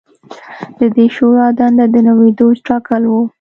د دې شورا دنده د نوي دوج ټاکل و